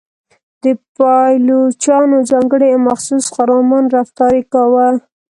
د پایلوچانو ځانګړی او مخصوص خرامان رفتار یې کاوه.